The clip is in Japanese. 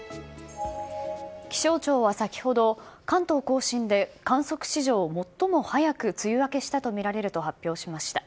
気象庁は先ほど、関東甲信で観測史上最も早く梅雨明けしたと見られると発表しました。